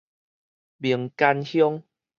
名間鄉